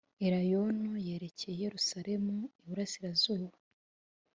elayono yerekeye i yerusalemu iburasirazuba.